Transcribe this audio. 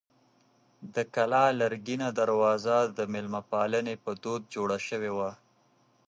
د کلا لرګینه دروازه د مېلمه پالنې په دود جوړه شوې وه.